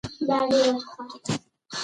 ګټه به ستا د زیار او استقامت مېوه وي.